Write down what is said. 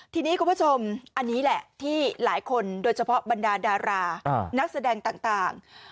ทีนี้คุณผู้ชมอันนี้แหละที่หลายคนโดยเฉพาะบรรดาดารานักแสดงต่าง